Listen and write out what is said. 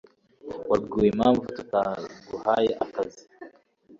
wabwiwe impamvu tutaguhaye akazi